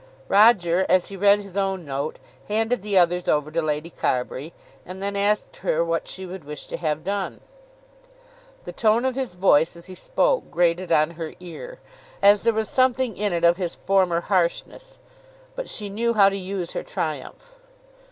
Roger, as he read his own note, handed the others over to Lady Carbury, and then asked her what she would wish to have done. The tone of his voice, as he spoke, grated on her ear, as there was something in it of his former harshness. But she knew how to use her triumph.